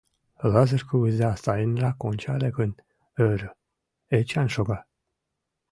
Лазыр кугыза сайынрак ончале гын, ӧрӧ: Эчан шога.